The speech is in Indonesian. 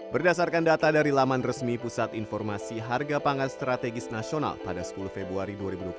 berdasarkan data dari laman resmi pusat informasi harga pangan strategis nasional pada sepuluh februari dua ribu dua puluh satu